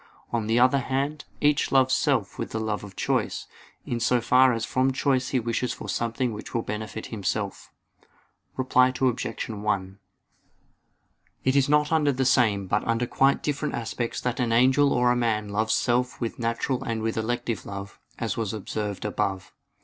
On the other hand, each loves self with the love of choice, in so far as from choice he wishes for something which will benefit himself. Reply Obj. 1: It is not under the same but under quite different aspects that an angel or a man loves self with natural and with elective love, as was observed above.